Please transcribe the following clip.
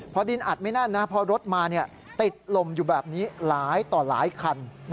พอดินอัดไม่แน่นนะพอรถมาติดลมอยู่แบบนี้หลายต่อหลายคัน